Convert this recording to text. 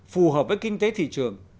phù hợp với kinh tế thị trường